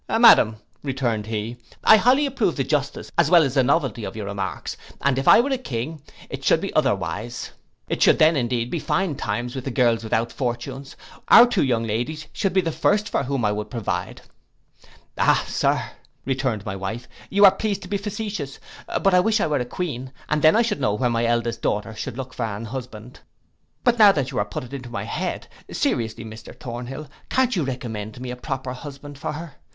'Madam,' returned he, 'I highly approve the justice, as well as the novelty, of your remarks, and if I were a king, it should be otherwise. It should then, indeed, be fine times with the girls without fortunes: our two young ladies should be the first for whom I would provide.' 'Ah, Sir!' returned my wife, 'you are pleased to be facetious: but I wish I were a queen, and then I know where my eldest daughter should look for an husband. But now, that you have put it into my head, seriously Mr Thornhill, can't you recommend me a proper husband for her?